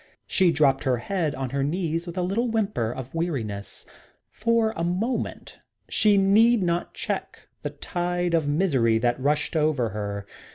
She dropped her head on her knees with a little whimper of weariness. For a moment she need not check the tide of misery that rushed over her.